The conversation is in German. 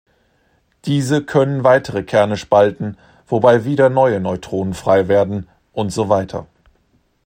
Diese können weitere Kerne spalten, wobei wieder neue Neutronen frei werden usw.